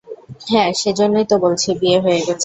হ্যাঁ, সেজন্যই তো বলছি বিয়ে হয়ে গেছে।